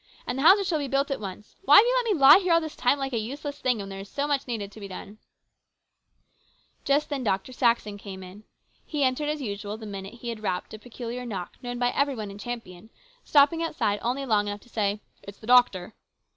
"And the houses shall be built at once. Why have you let me lie here all this time like a U*eleM thin;', when there is so much needed to be done ?" Just then Dr. Saxon came in. He entered .. usual, the minute he had rapped a peculiar knock known by every one in Champion, stopping outride only lojj;r enough to say, " It's the doctor."